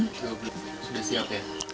sudah siap ya